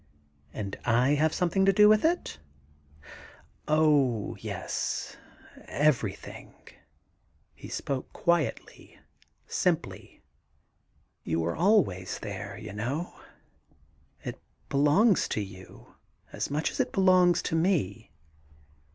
* And / have something to do with it ?' *Oh yes; everjrthing' — he spoke quietly, simply. *You were always there, you know. It belongs to you as much as it belongs to me.